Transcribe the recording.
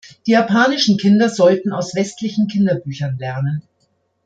Die japanischen Kinder sollten aus westlichen Kinderbüchern lernen.